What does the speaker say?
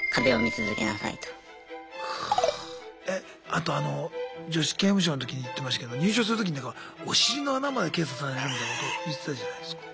あとあの女子刑務所の時に言ってましたけど入所するときにほらお尻の穴まで検査されるみたいなこと言ってたじゃないすか。